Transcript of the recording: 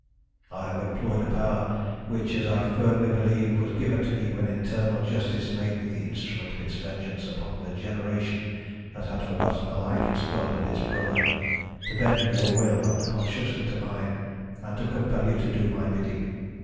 "I have employed a power which, as I firmly believe, was given to me when eternal justice made me the instrument of its vengeance upon a generation that had forgotten alike its God and its brother, to bend your will unconsciously to mine, and to compel you to do my bidding.